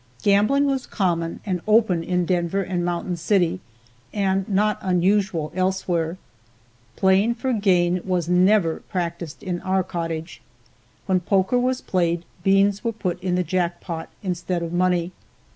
Gambling was common and open in Denver and Mountain City, and not unusual elsewhere. Playing for gain was never practiced in our cottage. When poker was played, beans were put in the jackpot instead of money.